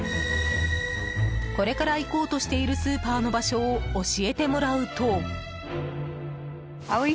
これから行こうとしているスーパーの場所を教えてもらうと。